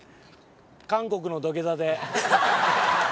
韓国の土下座で。